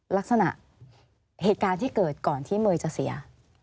ลักษณะเหตุการณ์ที่เกิดก่อนที่เมย์จะเสีย